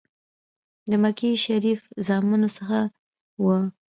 د مکې شریف زامنو څخه وو.